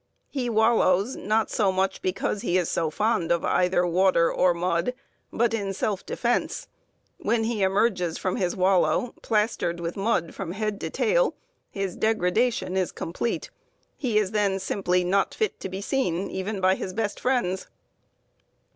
He wallows, not so much because he is so fond of either water or mud, but in self defense; and when he emerges from his wallow, plastered with mud from head to tail, his degradation is complete. He is then simply not fit to be seen, even by his best friends.